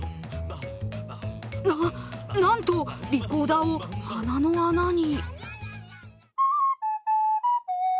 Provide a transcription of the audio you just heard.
な、なんとリコーダーを鼻の穴に。